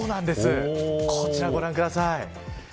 こちら、ご覧ください。